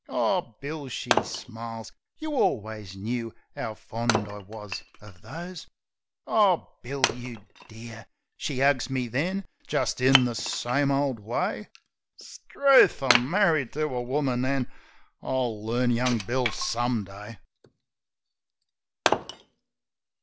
"Oh, Bill!" she smiles, "You alwus knoo 'ovv fond I wus uv those ! Oh, Bill! You dear\" She 'ugs me then, jist in the same ole way. 'Struth! I'm marri'd to a woman, an' ... I'll learn young Bill some day!